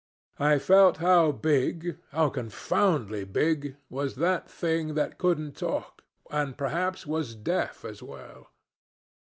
I felt how big, how confoundedly big, was that thing that couldn't talk, and perhaps was deaf as well.